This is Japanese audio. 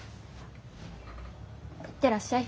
行ってらっしゃい。